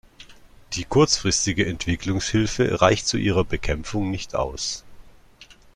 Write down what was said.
Die kurzfristige Entwicklungshilfe reicht zu ihrer Bekämpfung nicht aus.